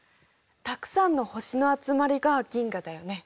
たくさんの星の集まりが銀河だよね。